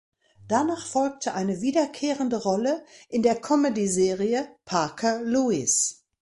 Danach folgte eine wiederkehrende Rolle in der Comedyserie "Parker Lewis".